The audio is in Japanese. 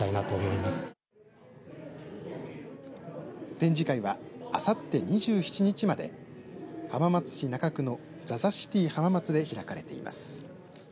展示会はあさって２７日まで浜松市中区のザザシティ浜松で開かれています。